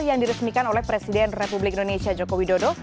yang diresmikan oleh presiden republik indonesia joko widodo